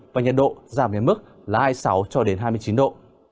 và nhiệt độ giảm đến mức là hai mươi sáu hai mươi chín độ